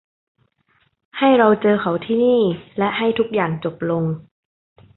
ให้เราเจอเขาที่นี่และให้ทุกอย่างจบลง